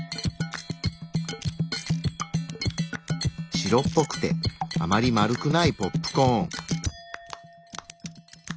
白っぽくてあまり丸くないポップコーン。